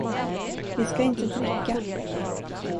Vi ska inte dricka.